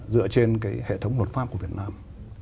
dựa trên cái hệ thống luật pháp của việt nam